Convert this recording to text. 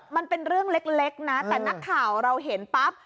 มันเป็นเรื่องเล็กนะแต่นักข่าวเราเห็นปั๊บ